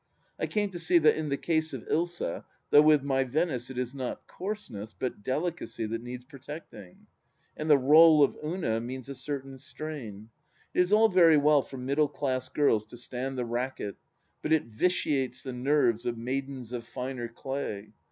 I came to see that in the case of Ilsa, though with my Venice it is not coarseness, but delicacy that needs protecting. And the r61e of Una means a certain strain. It is all very well for middle class girls to stand the racket, but it vitiates the nerves of maidens of finer clay.